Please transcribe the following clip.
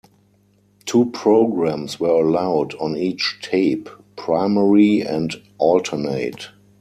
Two programs were allowed on each tape: primary and alternate.